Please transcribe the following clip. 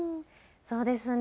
そうですね。